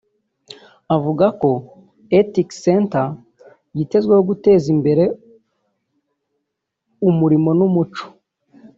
Avuga ko Ethics Center yitezweho kuzateza imbere umurimo n’umuco